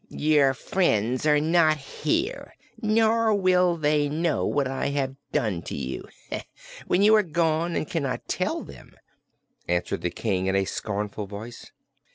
"Your friends are not here, nor will they know what I have done to you, when you are gone and can not tell them," answered the King in a scornful voice.